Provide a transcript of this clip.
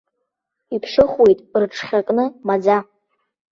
Иԥшыхәуеит рыҽхьакны маӡа.